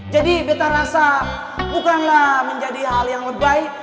beta rasa bukanlah menjadi hal yang lebay